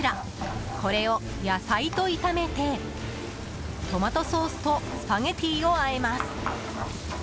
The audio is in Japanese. これを野菜と炒めてトマトソースとスパゲティをあえます。